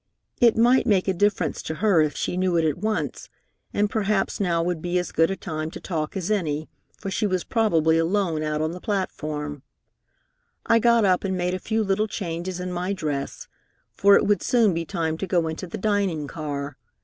It might make a difference to her if she knew it at once, and perhaps now would be as good a time to talk as any, for she was probably alone out on the platform. I got up and made a few little changes in my dress, for it would soon be time to go into the dining car.